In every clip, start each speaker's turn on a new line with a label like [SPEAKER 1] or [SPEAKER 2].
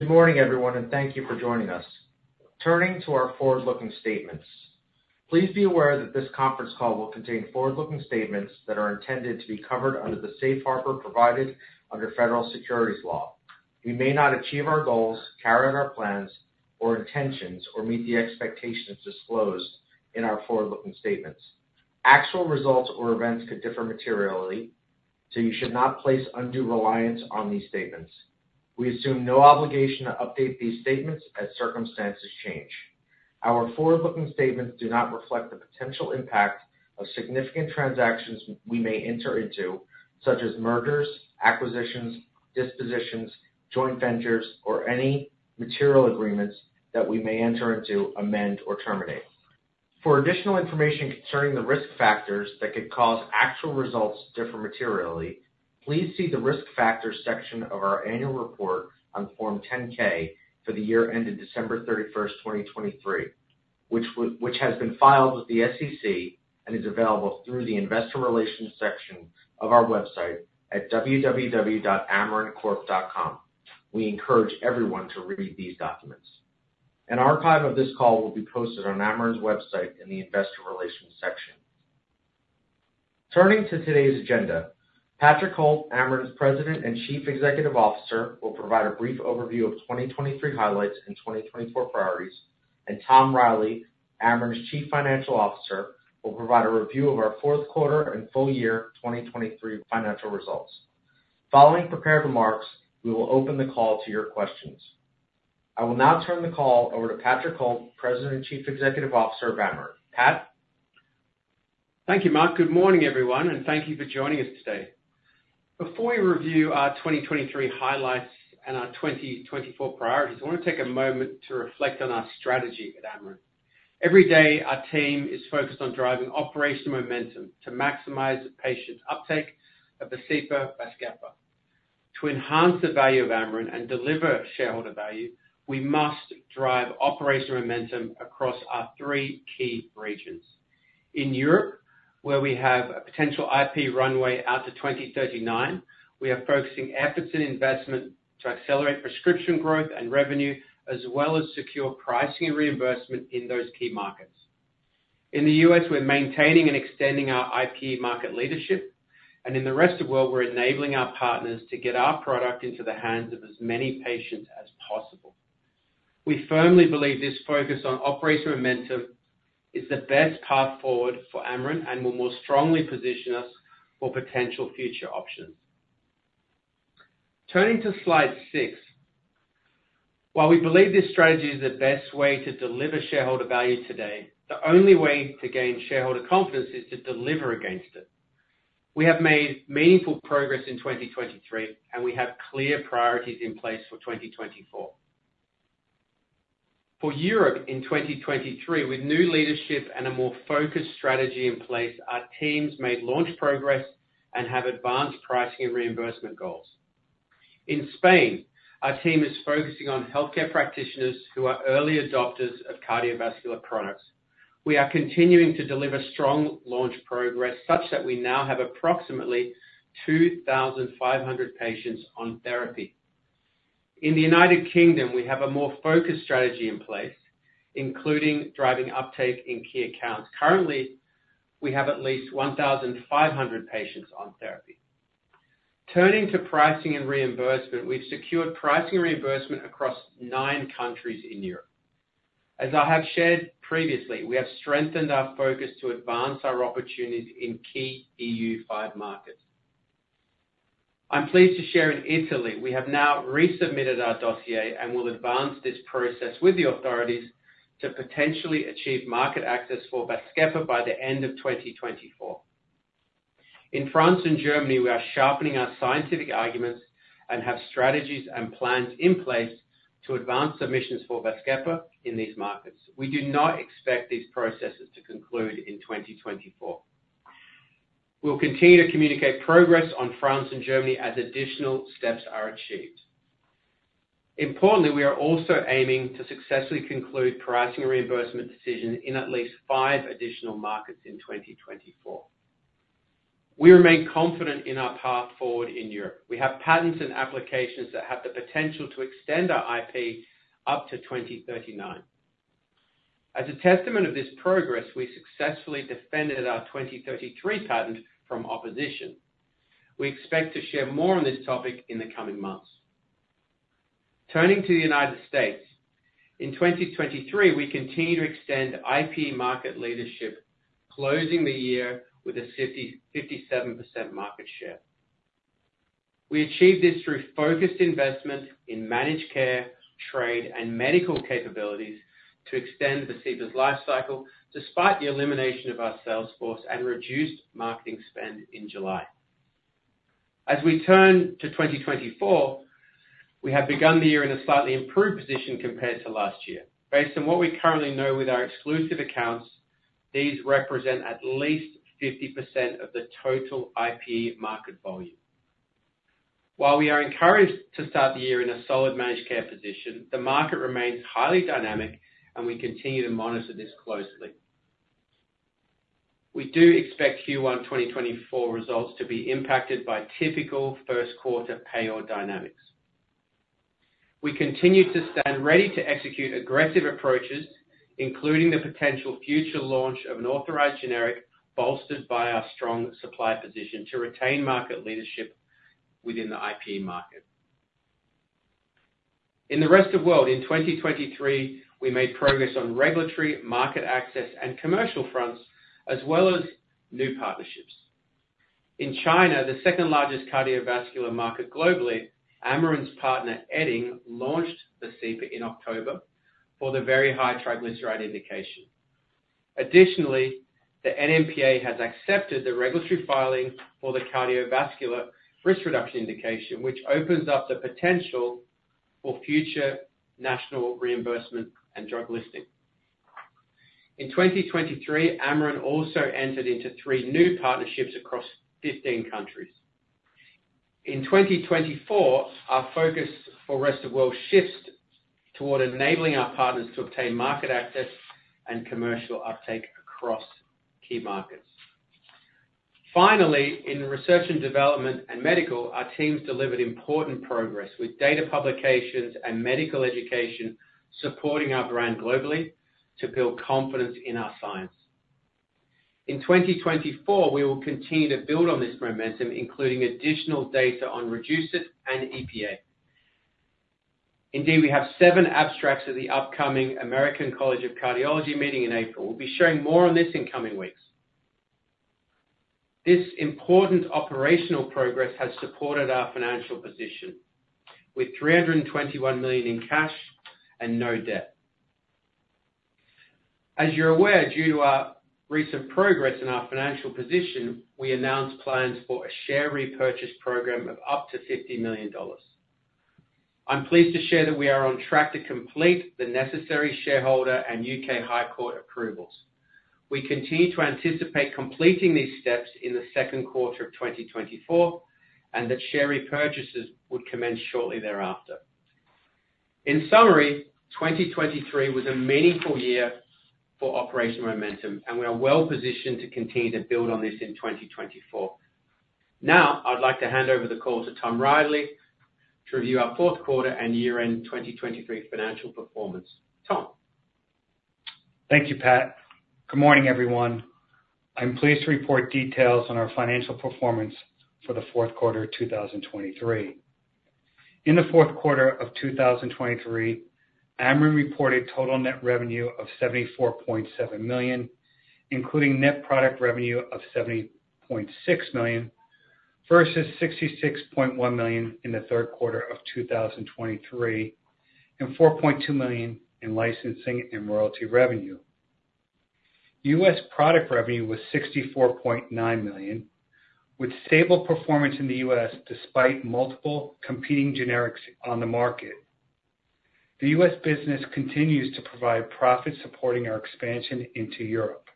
[SPEAKER 1] Good morning, everyone, and thank you for joining us. Turning to our forward-looking statements. Please be aware that this conference call will contain forward-looking statements that are intended to be covered under the safe harbor provided under federal securities law. We may not achieve our goals, carry out our plans, or intentions, or meet the expectations disclosed in our forward-looking statements. Actual results or events could differ materially, so you should not place undue reliance on these statements. We assume no obligation to update these statements as circumstances change. Our forward-looking statements do not reflect the potential impact of significant transactions we may enter into, such as mergers, acquisitions, dispositions, joint ventures, or any material agreements that we may enter into, amend, or terminate. For additional information concerning the risk factors that could cause actual results to differ materially, please see the risk factors section of our annual report on Form 10-K for the year ended December 31st, 2023, which has been filed with the SEC and is available through the investor relations section of our website at www.amarincorp.com. We encourage everyone to read these documents. An archive of this call will be posted on Amarin's website in the investor relations section. Turning to today's agenda. Patrick Holt, Amarin's President and Chief Executive Officer, will provide a brief overview of 2023 highlights and 2024 priorities, and Tom Reilly, Amarin's Chief Financial Officer, will provide a review of our fourth quarter and full year 2023 financial results. Following prepared remarks, we will open the call to your questions. I will now turn the call over to Patrick Holt, President and Chief Executive Officer of Amarin. Pat?
[SPEAKER 2] Thank you, Mark. Good morning, everyone, and thank you for joining us today. Before we review our 2023 highlights and our 2024 priorities, I want to take a moment to reflect on our strategy at Amarin. Every day, our team is focused on driving operational momentum to maximize the patient uptake of VASCEPA/VAZKEPA. To enhance the value of Amarin and deliver shareholder value, we must drive operational momentum across our three key regions. In Europe, where we have a potential IP runway out to 2039, we are focusing efforts and investment to accelerate prescription growth and revenue, as well as secure pricing and reimbursement in those key markets. In the U.S., we're maintaining and extending our IPE market leadership, and in the rest of the world, we're enabling our partners to get our product into the hands of as many patients as possible. We firmly believe this focus on operational momentum is the best path forward for Amarin and will more strongly position us for potential future options. Turning to slide six. While we believe this strategy is the best way to deliver shareholder value today, the only way to gain shareholder confidence is to deliver against it. We have made meaningful progress in 2023, and we have clear priorities in place for 2024. For Europe in 2023, with new leadership and a more focused strategy in place, our teams made launch progress and have advanced pricing and reimbursement goals. In Spain, our team is focusing on healthcare practitioners who are early adopters of cardiovascular products. We are continuing to deliver strong launch progress such that we now have approximately 2,500 patients on therapy. In the United Kingdom, we have a more focused strategy in place, including driving uptake in key accounts. Currently, we have at least 1,500 patients on therapy. Turning to pricing and reimbursement, we've secured pricing and reimbursement across nine countries in Europe. As I have shared previously, we have strengthened our focus to advance our opportunities in key EU5 markets. I'm pleased to share in Italy, we have now resubmitted our dossier and will advance this process with the authorities to potentially achieve market access for VAZKEPA by the end of 2024. In France and Germany, we are sharpening our scientific arguments and have strategies and plans in place to advance submissions for VAZKEPA in these markets. We do not expect these processes to conclude in 2024. We'll continue to communicate progress on France and Germany as additional steps are achieved. Importantly, we are also aiming to successfully conclude pricing and reimbursement decisions in at least five additional markets in 2024. We remain confident in our path forward in Europe. We have patents and applications that have the potential to extend our IP up to 2039. As a testament of this progress, we successfully defended our 2033 patent from opposition. We expect to share more on this topic in the coming months. Turning to the United States. In 2023, we continue to extend IPE market leadership, closing the year with a 57% market share. We achieved this through focused investment in managed care, trade, and medical capabilities to extend the VASCEPA's lifecycle despite the elimination of our sales force and reduced marketing spend in July. As we turn to 2024, we have begun the year in a slightly improved position compared to last year. Based on what we currently know with our exclusive accounts, these represent at least 50% of the total IPE market volume. While we are encouraged to start the year in a solid managed care position, the market remains highly dynamic, and we continue to monitor this closely. We do expect Q1 2024 results to be impacted by typical first quarter payroll dynamics. We continue to stand ready to execute aggressive approaches, including the potential future launch of an authorized generic bolstered by our strong supply position to retain market leadership within the IPE market. In the rest of the world, in 2023, we made progress on regulatory, market access, and commercial fronts, as well as new partnerships. In China, the second largest cardiovascular market globally, Amarin's partner Edding launched VASCEPA in October for the very high triglyceride indication. Additionally, the NMPA has accepted the regulatory filing for the cardiovascular risk reduction indication, which opens up the potential for future national reimbursement and drug listing. In 2023, Amarin also entered into three new partnerships across 15 countries. In 2024, our focus for the rest of the world shifts toward enabling our partners to obtain market access and commercial uptake across key markets. Finally, in research and development and medical, our teams delivered important progress with data publications and medical education supporting our brand globally to build confidence in our science. In 2024, we will continue to build on this momentum, including additional data on reduced risk and EPA. Indeed, we have seven abstracts of the upcoming American College of Cardiology meeting in April. We'll be sharing more on this in coming weeks. This important operational progress has supported our financial position with $321 million in cash and no debt. As you're aware, due to our recent progress in our financial position, we announced plans for a share repurchase program of up to $50 million. I'm pleased to share that we are on track to complete the necessary shareholder and U.K. High Court approvals. We continue to anticipate completing these steps in the second quarter of 2024 and that share repurchases would commence shortly thereafter. In summary, 2023 was a meaningful year for operational momentum, and we are well positioned to continue to build on this in 2024. Now, I'd like to hand over the call to Tom Reilly to review our fourth quarter and year-end 2023 financial performance. Tom?
[SPEAKER 3] Thank you, Pat. Good morning, everyone. I'm pleased to report details on our financial performance for the fourth quarter of 2023. In the fourth quarter of 2023, Amarin reported total net revenue of $74.7 million, including net product revenue of $70.6 million versus $66.1 million in the third quarter of 2023 and $4.2 million in licensing and royalty revenue. U.S. product revenue was $64.9 million, with stable performance in the U.S. despite multiple competing generics on the market. The U.S. business continues to provide profits supporting our expansion into Europe.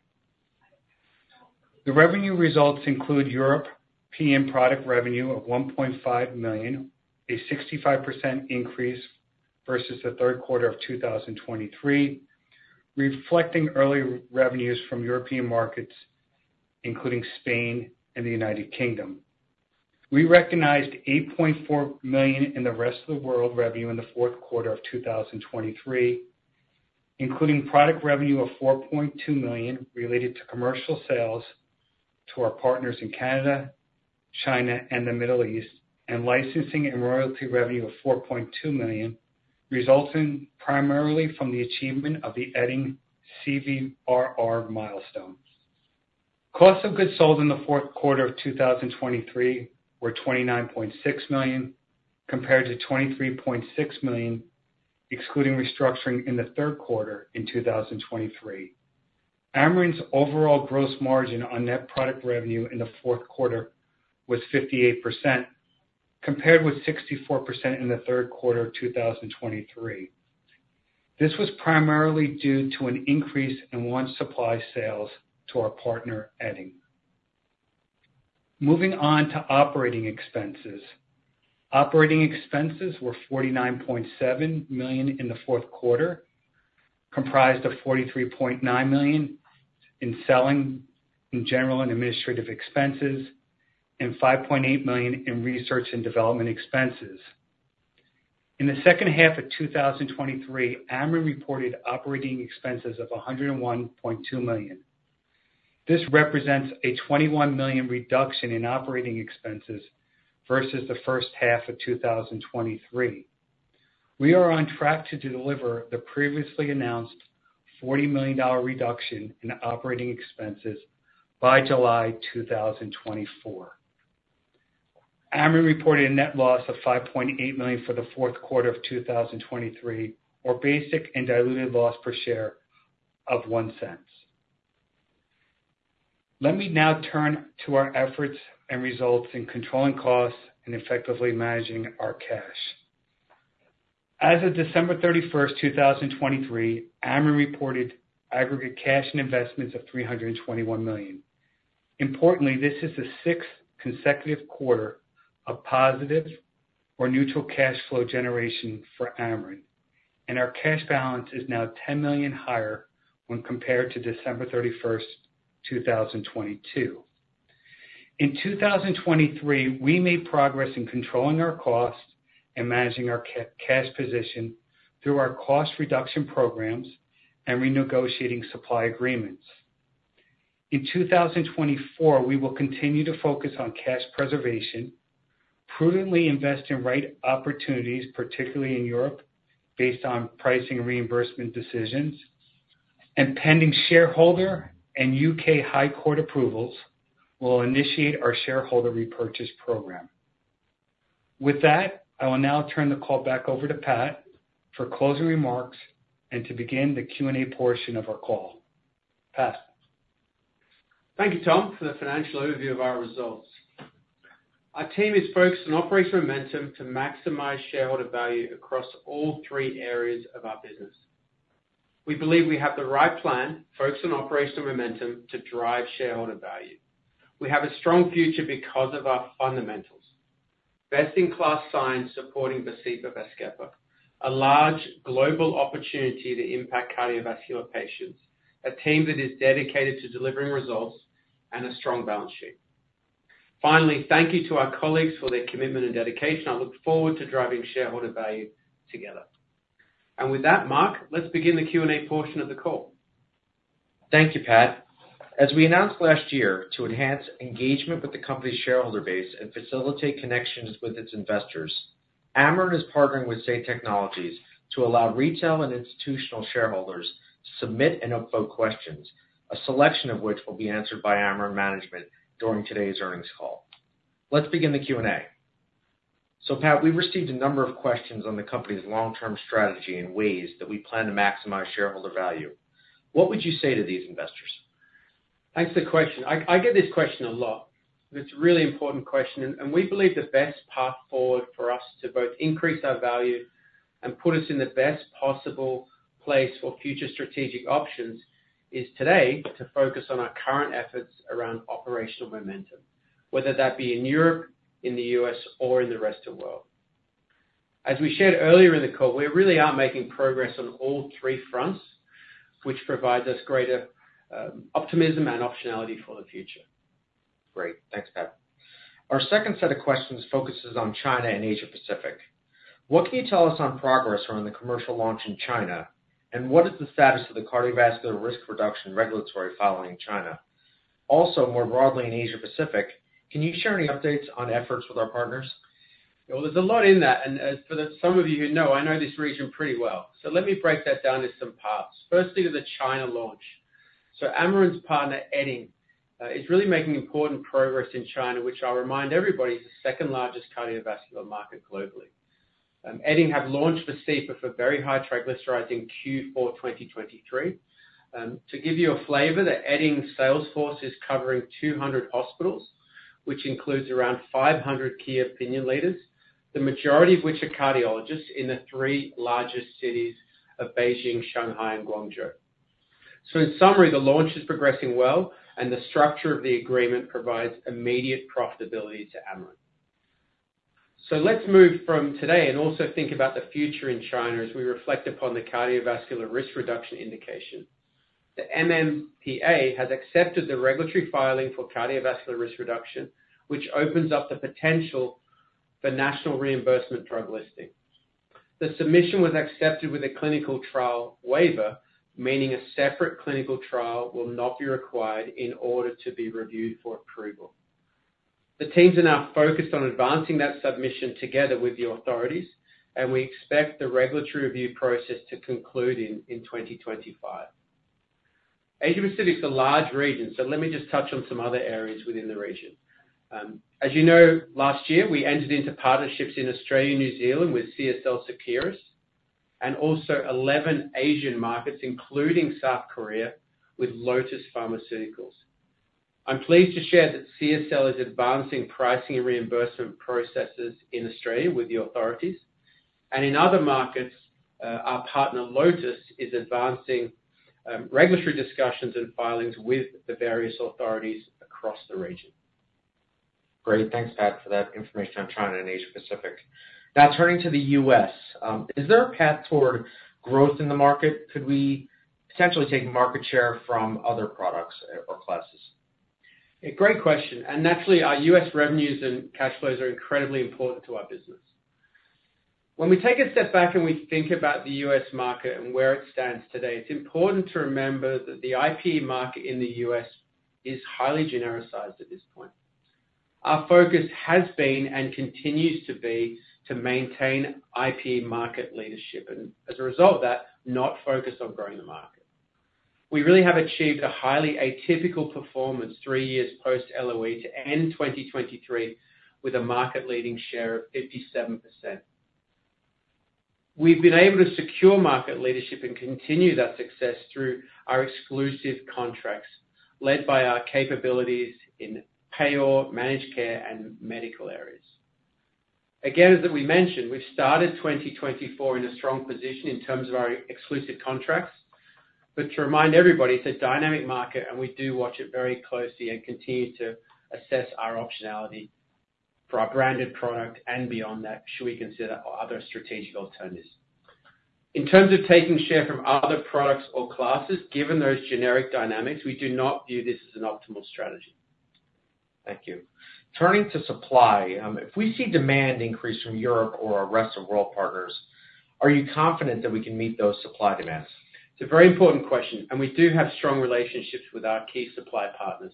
[SPEAKER 3] The revenue results include Europe PM product revenue of $1.5 million, a 65% increase versus the third quarter of 2023, reflecting early revenues from European markets, including Spain and the United Kingdom. We recognized $8.4 million in the rest of the world revenue in the fourth quarter of 2023, including product revenue of $4.2 million related to commercial sales to our partners in Canada, China, and the Middle East, and licensing and royalty revenue of $4.2 million, resulting primarily from the achievement of the Edding CVRR milestone. Costs of goods sold in the fourth quarter of 2023 were $29.6 million compared to $23.6 million, excluding restructuring in the third quarter in 2023. Amarin's overall gross margin on net product revenue in the fourth quarter was 58% compared with 64% in the third quarter of 2023. This was primarily due to an increase in launch supply sales to our partner Edding. Moving on to operating expenses. Operating expenses were $49.7 million in the fourth quarter, comprised of $43.9 million in selling, general and administrative expenses and $5.8 million in research and development expenses. In the second half of 2023, Amarin reported operating expenses of $101.2 million. This represents a $21 million reduction in operating expenses versus the first half of 2023. We are on track to deliver the previously announced $40 million reduction in operating expenses by July 2024. Amarin reported a net loss of $5.8 million for the fourth quarter of 2023, or basic and diluted loss per share of $0.01. Let me now turn to our efforts and results in controlling costs and effectively managing our cash. As of December 31st, 2023, Amarin reported aggregate cash and investments of $321 million. Importantly, this is the sixth consecutive quarter of positive or neutral cash flow generation for Amarin, and our cash balance is now $10 million higher when compared to December 31st, 2022. In 2023, we made progress in controlling our costs and managing our cash position through our cost reduction programs and renegotiating supply agreements. In 2024, we will continue to focus on cash preservation, prudently invest in right opportunities, particularly in Europe based on pricing and reimbursement decisions, and pending shareholder and U.K. High Court approvals will initiate our shareholder repurchase program. With that, I will now turn the call back over to Pat for closing remarks and to begin the Q&A portion of our call. Pat.
[SPEAKER 2] Thank you, Tom, for the financial overview of our results. Our team is focused on operational momentum to maximize shareholder value across all three areas of our business. We believe we have the right plan focused on operational momentum to drive shareholder value. We have a strong future because of our fundamentals: best-in-class science supporting the VASCEPA, VAZKEPA, a large global opportunity to impact cardiovascular patients, a team that is dedicated to delivering results, and a strong balance sheet. Finally, thank you to our colleagues for their commitment and dedication. I look forward to driving shareholder value together. With that, Mark, let's begin the Q&A portion of the call.
[SPEAKER 1] Thank you, Pat. As we announced last year to enhance engagement with the company's shareholder base and facilitate connections with its investors, Amarin is partnering with Say Technologies to allow retail and institutional shareholders to submit and upvote questions, a selection of which will be answered by Amarin management during today's earnings call. Let's begin the Q&A. So Pat, we've received a number of questions on the company's long-term strategy and ways that we plan to maximize shareholder value. What would you say to these investors?
[SPEAKER 2] Thanks for the question. I get this question a lot. It's a really important question, and we believe the best path forward for us to both increase our value and put us in the best possible place for future strategic options is today to focus on our current efforts around operational momentum, whether that be in Europe, in the U.S., or in the rest of the world. As we shared earlier in the call, we really are making progress on all three fronts, which provides us greater optimism and optionality for the future.
[SPEAKER 1] Great. Thanks, Pat. Our second set of questions focuses on China and Asia Pacific. What can you tell us on progress around the commercial launch in China, and what is the status of the cardiovascular risk reduction regulatory filing in China? Also, more broadly in Asia Pacific, can you share any updates on efforts with our partners?
[SPEAKER 2] Well, there's a lot in that. And for some of you who know, I know this region pretty well. So let me break that down into some parts. Firstly, to the China launch. So Amarin's partner Edding is really making important progress in China, which I'll remind everybody is the second largest cardiovascular market globally. Edding have launched VASCEPA for very high triglycerides in Q4 2023. To give you a flavor, the Edding sales force is covering 200 hospitals, which includes around 500 key opinion leaders, the majority of which are cardiologists in the three largest cities of Beijing, Shanghai, and Guangzhou. So in summary, the launch is progressing well, and the structure of the agreement provides immediate profitability to Amarin. So let's move from today and also think about the future in China as we reflect upon the cardiovascular risk reduction indication. The NMPA has accepted the regulatory filing for cardiovascular risk reduction, which opens up the potential for National Reimbursement Drug Listing. The submission was accepted with a clinical trial waiver, meaning a separate clinical trial will not be required in order to be reviewed for approval. The teams in our focus on advancing that submission together with the authorities, and we expect the regulatory review process to conclude in 2025. Asia Pacific's a large region, so let me just touch on some other areas within the region. As you know, last year, we entered into partnerships in Australia and New Zealand with CSL Seqirus and also 11 Asian markets, including South Korea, with Lotus Pharmaceuticals. I'm pleased to share that CSL is advancing pricing and reimbursement processes in Australia with the authorities. In other markets, our partner Lotus is advancing regulatory discussions and filings with the various authorities across the region.
[SPEAKER 1] Great. Thanks, Pat, for that information on China and Asia Pacific. Now, turning to the U.S., is there a path toward growth in the market? Could we potentially take market share from other products or classes?
[SPEAKER 2] Great question. And naturally, our U.S. revenues and cash flows are incredibly important to our business. When we take a step back and we think about the U.S. market and where it stands today, it's important to remember that the IPE market in the U.S. is highly genericized at this point. Our focus has been and continues to be to maintain IPE market leadership and, as a result of that, not focus on growing the market. We really have achieved a highly atypical performance three years post-LOE to end 2023 with a market-leading share of 57%. We've been able to secure market leadership and continue that success through our exclusive contracts led by our capabilities in payer, managed care, and medical areas. Again, as we mentioned, we've started 2024 in a strong position in terms of our exclusive contracts. To remind everybody, it's a dynamic market, and we do watch it very closely and continue to assess our optionality for our branded product and beyond that should we consider other strategic alternatives. In terms of taking share from other products or classes, given those generic dynamics, we do not view this as an optimal strategy.
[SPEAKER 1] Thank you. Turning to supply, if we see demand increase from Europe or our rest of the world partners, are you confident that we can meet those supply demands?
[SPEAKER 2] It's a very important question, and we do have strong relationships with our key supply partners.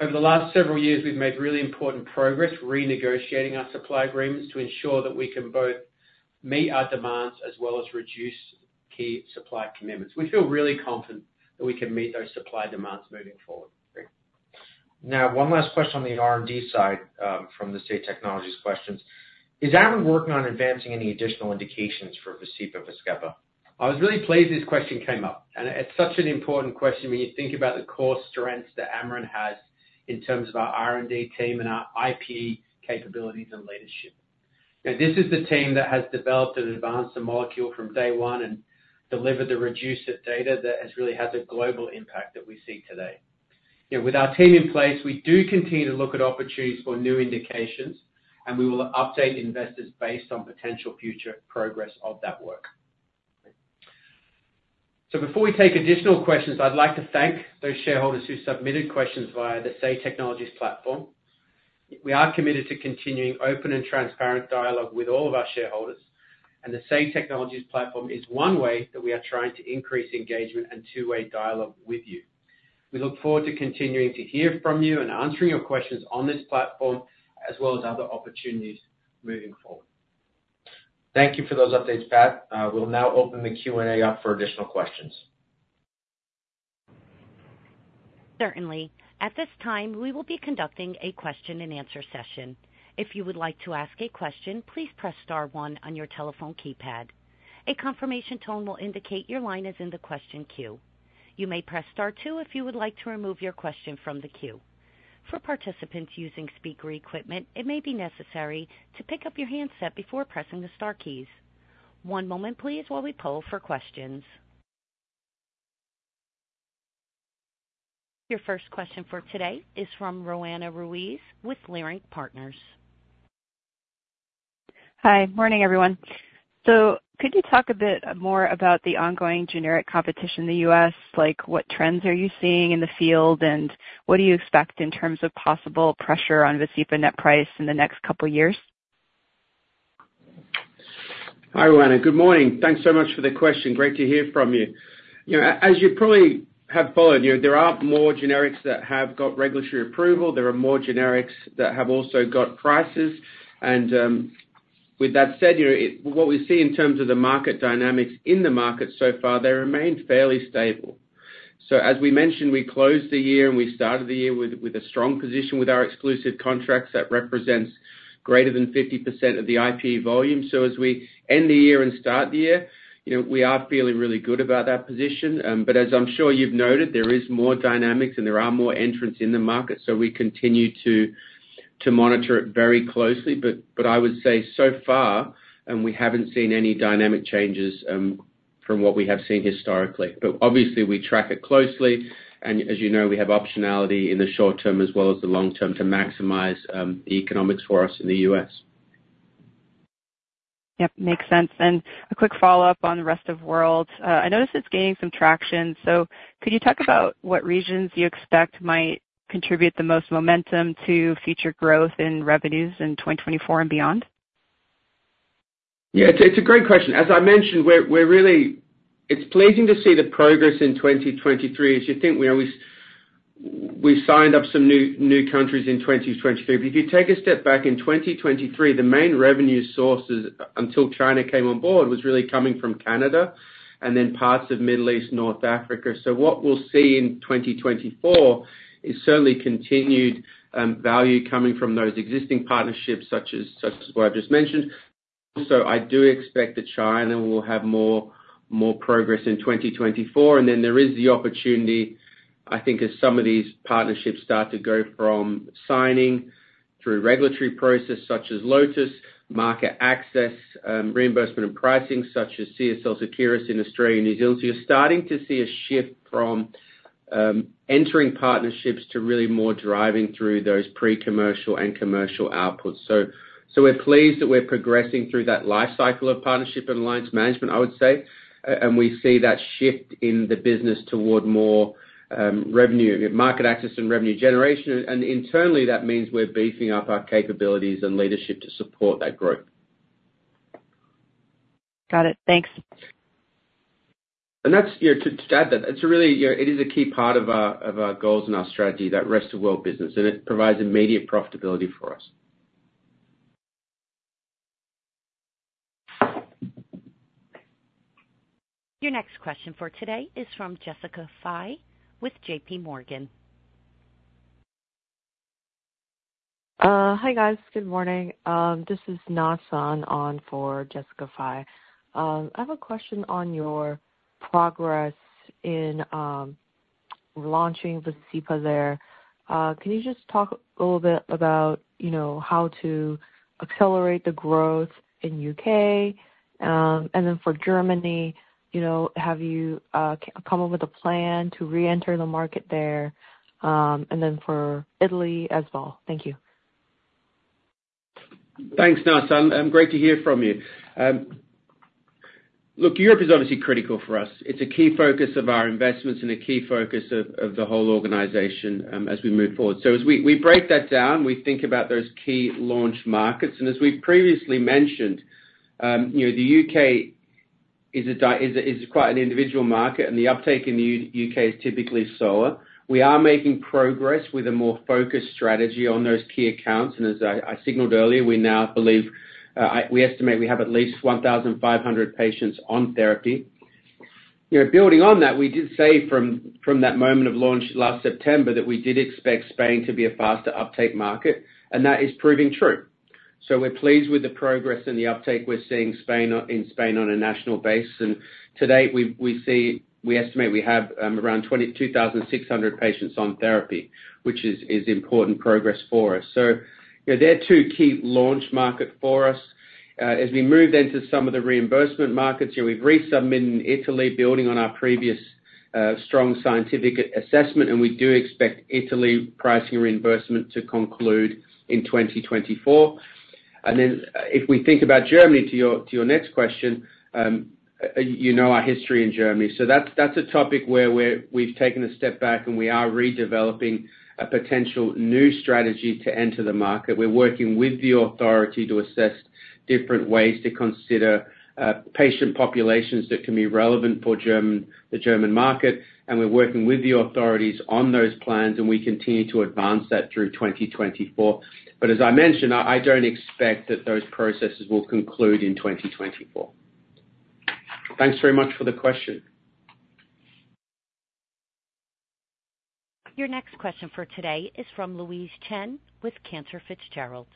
[SPEAKER 2] Over the last several years, we've made really important progress renegotiating our supply agreements to ensure that we can both meet our demands as well as reduce key supply commitments. We feel really confident that we can meet those supply demands moving forward.
[SPEAKER 3] Great. Now, one last question on the R&D side from the Say Technologies questions. Is Amarin working on advancing any additional indications for the VASCEPA, VAZKEPA?
[SPEAKER 2] I was really pleased this question came up. It's such an important question when you think about the core strengths that Amarin has in terms of our R&D team and our IP capabilities and leadership. This is the team that has developed and advanced the molecule from day one and delivered the REDUCE-IT data that really has a global impact that we see today. With our team in place, we do continue to look at opportunities for new indications, and we will update investors based on potential future progress of that work. Before we take additional questions, I'd like to thank those shareholders who submitted questions via the Say Technologies platform. We are committed to continuing open and transparent dialogue with all of our shareholders, and the Say Technologies platform is one way that we are trying to increase engagement and two-way dialogue with you. We look forward to continuing to hear from you and answering your questions on this platform as well as other opportunities moving forward.
[SPEAKER 3] Thank you for those updates, Pat. We'll now open the Q&A up for additional questions.
[SPEAKER 4] Certainly. At this time, we will be conducting a question-and-answer session. If you would like to ask a question, please press star one on your telephone keypad. A confirmation tone will indicate your line is in the question queue. You may press star two if you would like to remove your question from the queue. For participants using speaker equipment, it may be necessary to pick up your handset before pressing the star keys. One moment, please, while we poll for questions. Your first question for today is from Roanna Ruiz with Leerink Partners.
[SPEAKER 5] Hi. Morning, everyone. So could you talk a bit more about the ongoing generic competition in the U.S.? What trends are you seeing in the field, and what do you expect in terms of possible pressure on the VASCEPA net price in the next couple of years?
[SPEAKER 2] Hi, Roanna. Good morning. Thanks so much for the question. Great to hear from you. As you probably have followed, there are more generics that have got regulatory approval. There are more generics that have also got prices. And with that said, what we see in terms of the market dynamics in the market so far, they remain fairly stable. So as we mentioned, we closed the year and we started the year with a strong position with our exclusive contracts that represents greater than 50% of the IPE volume. So as we end the year and start the year, we are feeling really good about that position. But as I'm sure you've noted, there is more dynamics, and there are more entrants in the market, so we continue to monitor it very closely. I would say so far, we haven't seen any dynamic changes from what we have seen historically. Obviously, we track it closely, and as you know, we have optionality in the short term as well as the long term to maximize the economics for us in the U.S.
[SPEAKER 5] Yep. Makes sense. A quick follow-up on the rest of the world. I notice it's gaining some traction. Could you talk about what regions you expect might contribute the most momentum to future growth in revenues in 2024 and beyond?
[SPEAKER 2] Yeah. It's a great question. As I mentioned, it's pleasing to see the progress in 2023. As you think, we signed up some new countries in 2023. But if you take a step back in 2023, the main revenue sources until China came on board was really coming from Canada and then parts of Middle East, North Africa. So what we'll see in 2024 is certainly continued value coming from those existing partnerships such as what I've just mentioned. Also, I do expect that China will have more progress in 2024. And then there is the opportunity, I think, as some of these partnerships start to go from signing through regulatory processes such as Lotus, market access, reimbursement and pricing such as CSL Seqirus in Australia and New Zealand. So you're starting to see a shift from entering partnerships to really more driving through those pre-commercial and commercial outputs. We're pleased that we're progressing through that life cycle of partnership and alliance management, I would say. We see that shift in the business toward more market access and revenue generation. Internally, that means we're beefing up our capabilities and leadership to support that growth.
[SPEAKER 5] Got it. Thanks.
[SPEAKER 2] And to add that, it is a key part of our goals and our strategy, that rest of the world business. And it provides immediate profitability for us.
[SPEAKER 4] Your next question for today is from Jessica Fye with JPMorgan.
[SPEAKER 6] Hi, guys. Good morning. This is Na Sun on for Jessica Fye. I have a question on your progress in launching the VASCEPA there. Can you just talk a little bit about how to accelerate the growth in the U.K.? And then for Germany, have you come up with a plan to re-enter the market there? And then for Italy as well. Thank you.
[SPEAKER 2] Thanks, Nassan. Great to hear from you. Look, Europe is obviously critical for us. It's a key focus of our investments and a key focus of the whole organization as we move forward. So as we break that down, we think about those key launch markets. And as we've previously mentioned, the U.K. is quite an individual market, and the uptake in the U.K. is typically slower. We are making progress with a more focused strategy on those key accounts. And as I signalled earlier, we now believe we estimate we have at least 1,500 patients on therapy. Building on that, we did say from that moment of launch last September that we did expect Spain to be a faster uptake market, and that is proving true. So we're pleased with the progress and the uptake we're seeing in Spain on a national base. Today, we estimate we have around 2,600 patients on therapy, which is important progress for us. They're two key launch markets for us. As we move then to some of the reimbursement markets, we've resubmitted in Italy, building on our previous strong scientific assessment. We do expect Italy pricing reimbursement to conclude in 2024. Then if we think about Germany, to your next question, you know our history in Germany. That's a topic where we've taken a step back, and we are redeveloping a potential new strategy to enter the market. We're working with the authority to assess different ways to consider patient populations that can be relevant for the German market. We're working with the authorities on those plans, and we continue to advance that through 2024. As I mentioned, I don't expect that those processes will conclude in 2024. Thanks very much for the question.
[SPEAKER 4] Your next question for today is from Louise Chen with Cantor Fitzgerald.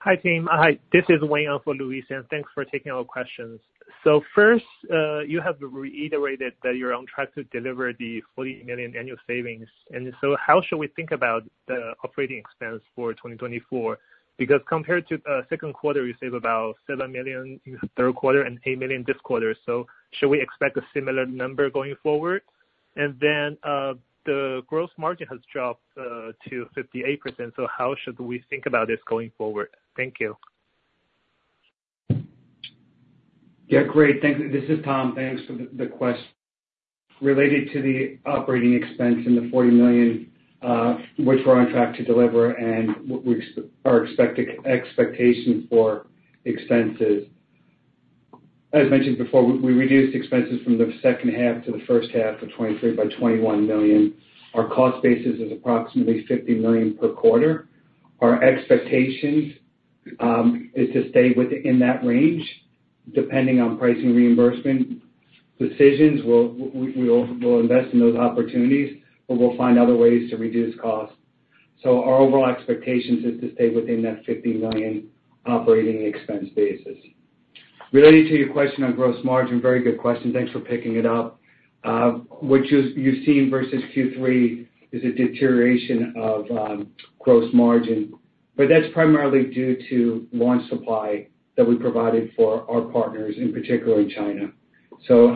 [SPEAKER 7] Hi, team. Hi. This is Wayne for Louise. Thanks for taking our questions. So first, you have reiterated that you're on track to deliver the $40 million annual savings. So how should we think about the operating expense for 2024? Because compared to the second quarter, you save about $7 million in the third quarter and $8 million this quarter. Should we expect a similar number going forward? Then the gross margin has dropped to 58%. So how should we think about this going forward? Thank you.
[SPEAKER 3] Yeah. Great. This is Tom. Thanks for the question. Related to the operating expense and the $40 million, which we're on track to deliver and our expectation for expenses, as mentioned before, we reduced expenses from the second half to the first half of 2023 by $21 million. Our cost basis is approximately $50 million per quarter. Our expectation is to stay within that range depending on pricing reimbursement decisions. We'll invest in those opportunities, but we'll find other ways to reduce costs. So our overall expectations is to stay within that $50 million operating expense basis. Related to your question on gross margin, very good question. Thanks for picking it up. What you've seen versus Q3 is a deterioration of gross margin. But that's primarily due to launch supply that we provided for our partners, in particular in China.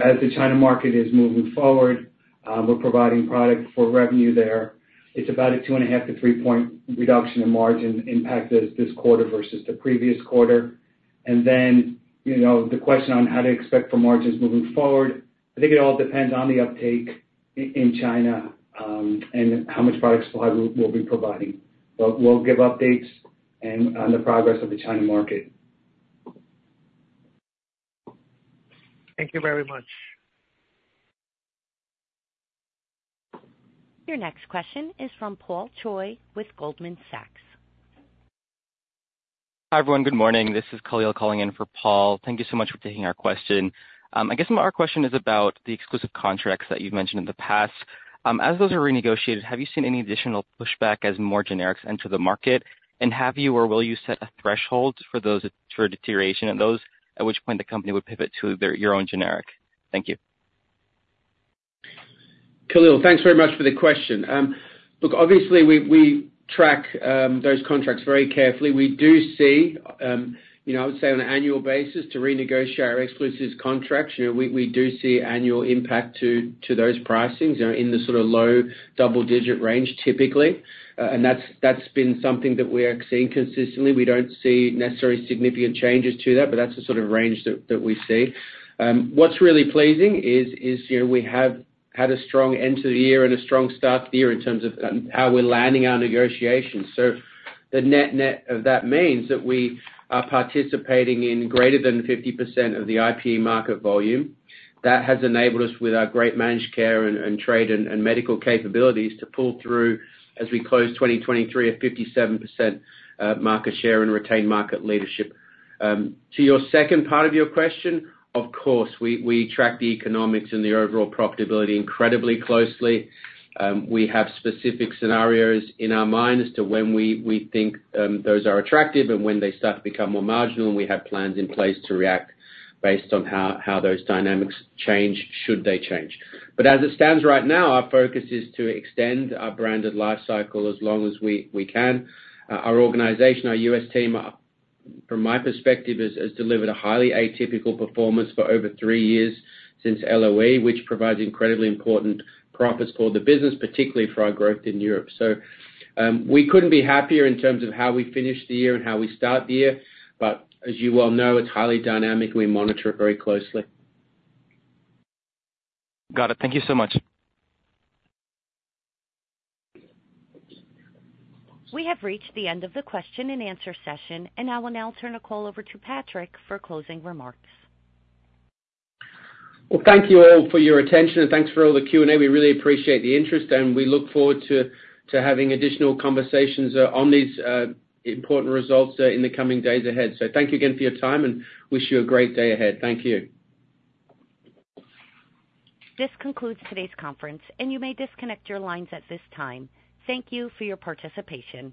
[SPEAKER 3] As the China market is moving forward, we're providing product for revenue there. It's about a 2.5 point-3-point reduction in margin impact this quarter versus the previous quarter. Then the question on how to expect for margins moving forward, I think it all depends on the uptake in China and how much product supply we'll be providing. We'll give updates on the progress of the China market.
[SPEAKER 7] Thank you very much.
[SPEAKER 4] Your next question is from Paul Choi with Goldman Sachs.
[SPEAKER 8] Hi, everyone. Good morning. This is Khalil calling in for Paul. Thank you so much for taking our question. I guess our question is about the exclusive contracts that you've mentioned in the past. As those are renegotiated, have you seen any additional pushback as more generics enter the market? And have you or will you set a threshold for deterioration at those, at which point the company would pivot to your own generic? Thank you.
[SPEAKER 2] Khalil, thanks very much for the question. Look, obviously, we track those contracts very carefully. We do see, I would say, on an annual basis to renegotiate our exclusive contracts, we do see annual impact to those pricings in the sort of low double-digit range, typically. That's been something that we are seeing consistently. We don't see necessarily significant changes to that, but that's the sort of range that we see. What's really pleasing is we have had a strong end to the year and a strong start to the year in terms of how we're landing our negotiations. The net-net of that means that we are participating in greater than 50% of the IP market volume. That has enabled us, with our great managed care and trade and medical capabilities, to pull through, as we close 2023, a 57% market share and retain market leadership. To your second part of your question, of course, we track the economics and the overall profitability incredibly closely. We have specific scenarios in our mind as to when we think those are attractive and when they start to become more marginal, and we have plans in place to react based on how those dynamics change should they change. But as it stands right now, our focus is to extend our branded life cycle as long as we can. Our organization, our U.S. team, from my perspective, has delivered a highly atypical performance for over three years since LOE, which provides incredibly important profits for the business, particularly for our growth in Europe. So we couldn't be happier in terms of how we finish the year and how we start the year. But as you well know, it's highly dynamic. We monitor it very closely.
[SPEAKER 8] Got it. Thank you so much.
[SPEAKER 4] We have reached the end of the question-and-answer session, and I will now turn the call over to Patrick for closing remarks.
[SPEAKER 2] Well, thank you all for your attention, and thanks for all the Q&A. We really appreciate the interest, and we look forward to having additional conversations on these important results in the coming days ahead. So thank you again for your time, and wish you a great day ahead. Thank you.
[SPEAKER 4] This concludes today's conference, and you may disconnect your lines at this time. Thank you for your participation.